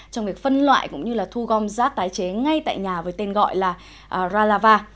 trong việc phân loại cũng như là thu gom rác tái chế ngay tại nhà với tên gọi là ralava